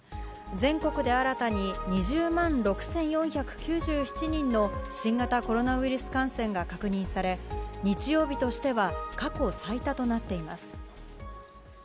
全国で新たに、２０万６４９７人の新型コロナウイルス感染が確認され、日曜日としては過去最多となっています。